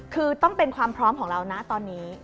คือต้องเป็นความพร้อมของเรานะตอนนี้